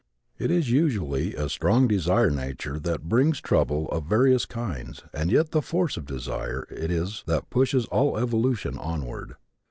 It is usually a strong desire nature that brings trouble of various kinds and yet the force of desire it is that pushes all evolution onward.